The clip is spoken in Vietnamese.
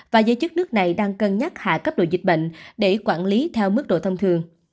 và giới chức nước này đang cân nhắc hạ cấp độ dịch bệnh để quản lý theo mức độ thông thường